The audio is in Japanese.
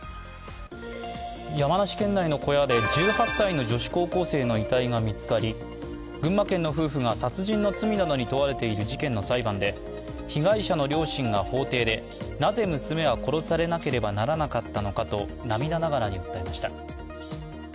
山梨県内の小屋で１８歳の女子高校生の遺体が見つかり群馬県の夫婦が殺人の罪などに問われている事件の裁判で被害者の両親が法廷でなぜ娘は殺されなければならなかったのかと涙ながらに訴えました。